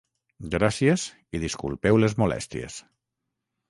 Gràcies i disculpeu les molèsties.